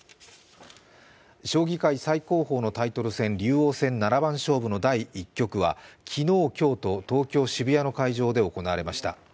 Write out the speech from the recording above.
将棋界最高峰のタイトル戦、竜王戦七番勝負の第１局は、昨日、今日と東京・渋谷の会場で行われました。